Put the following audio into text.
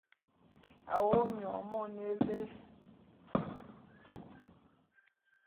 A wo’o nyon mone élé.